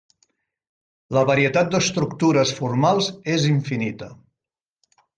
La varietat d’estructures formals és infinita.